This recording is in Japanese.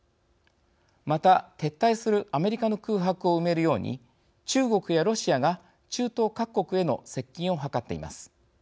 また、撤退するアメリカの空白を埋めるように中国やロシアが中東各国への接近を図っています。